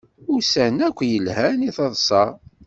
Ussan akk lhan i taḍsa